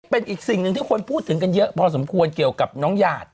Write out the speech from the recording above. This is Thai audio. เป็นอีกสิ่งหนึ่งที่คนพูดถึงกันเยอะพอสมควรเกี่ยวกับน้องหยาด